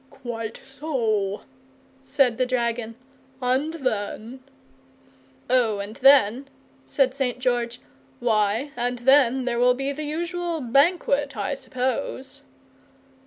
"Quite so," said the dragon. "And then ?" "Oh, and then " said St. George, "why, and then there will be the usual banquet, I suppose."